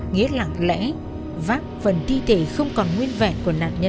nghĩa lặng lẽ vác phần thi thể không còn nguyên vẹn của nạn nhân